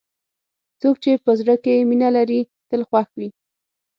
څوک چې په زړه کې مینه لري، تل خوښ وي.